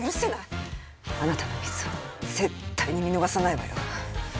あなたのミスは絶対に見逃さないわよ。